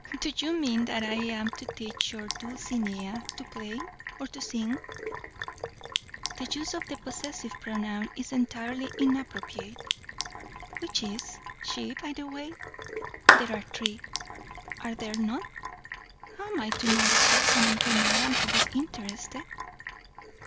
"Do you mean that I am to teach your Dulcinea to play? Or to sing?" "The use of the possessive pronoun is entirely inappropriate." "Which is she, by the way? There are three, are there not? How am I to know the person in whom I am to be interested?"